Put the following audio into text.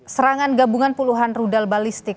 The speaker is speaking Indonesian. serangan gabungan puluhan rudal balistik